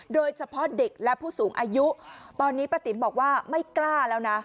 โดยเฉพาะเด็กและผู้สูงอายุตอนนี้ป้าติ๋มบอกว่าไม่กล้าแล้วนะ